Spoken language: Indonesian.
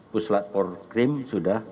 puslat porkrim sudah